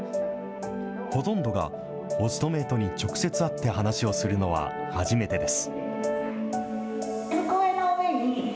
ほとんどがオストメイトに直接会って話をするのは初めてです。